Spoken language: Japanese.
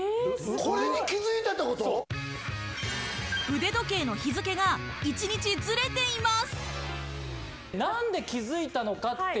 腕時計の日付が一日ズレています。